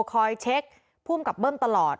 คอยเช็คภูมิกับเบิ้มตลอด